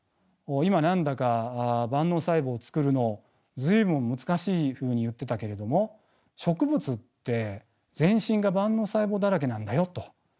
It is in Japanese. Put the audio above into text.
今何だか万能細胞をつくるのを随分難しいふうに言ってたけれども植物って全身が万能細胞だらけなんだよと。